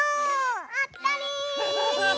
あったり！